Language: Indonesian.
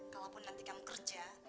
kalaupun nanti kamu kerja